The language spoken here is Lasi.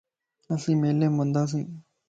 اسين ميلي مَ ونداسين